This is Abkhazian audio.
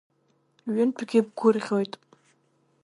Ҩынтәгьы бгәырӷьоит.